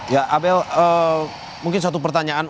ya amel mungkin satu pertanyaan